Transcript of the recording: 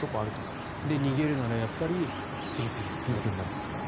で、逃げるならやっぱりフィリピンなんだと。